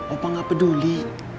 opa gak peduli